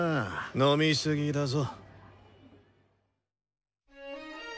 飲み過ぎだぞ。